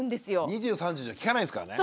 ２０３０じゃきかないですからね。